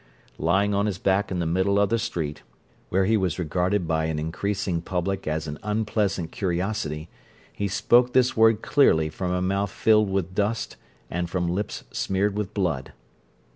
Lying on his back in the middle of the street, where he was regarded by an increasing public as an unpleasant curiosity, he spoke this word clearly from a mouth filled with dust, and from lips smeared with blood.